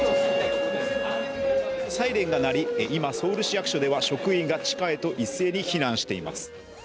サイレンが鳴り今、ソウル市役所では職員が地下へと一斉に避難しています。